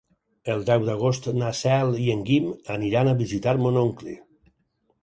El deu d'agost na Cel i en Guim aniran a visitar mon oncle.